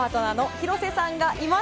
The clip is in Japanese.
廣瀬さんがいます。